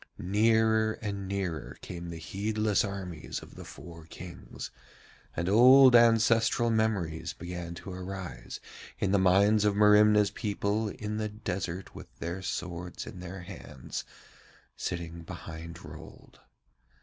Nearer and nearer came the heedless armies of the four Kings, and old ancestral memories began to arise in the minds of Merimna's people in the desert with their swords in their hands sitting behind Rold.